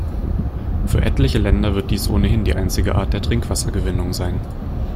Für etliche Länder wird dies ohnehin die einzige Art der Trinkwassergewinnung sein.